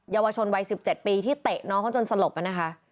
เยาวชนวัย๑๗ปีที่เตะน้องเขาจนสลบนะคะ